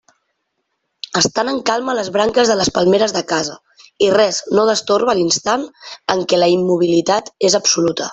Estan en calma les branques de les palmeres de casa i res no destorba l'instant en què la immobilitat és absoluta.